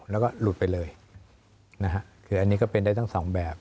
แล้วก็หลุดไปเลยนะฮะคืออันนี้ก็เป็นได้ทั้งสองแบบ